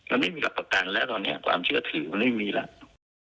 มันไม่มีรักษาตันแล้วเนี่ยความเชื่อทรีย์มันไม่มีแล้ว